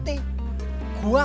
tapi lo jangan tetik